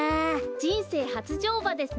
じんせいはつじょうばですね。